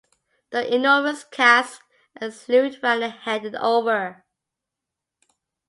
The enormous casks are slewed round and headed over.